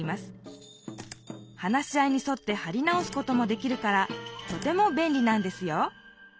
話し合いにそってはり直すこともできるからとてもべんりなんですよ